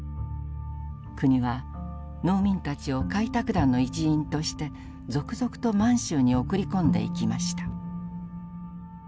国は農民たちを開拓団の一員として続々と満州に送り込んでいきました。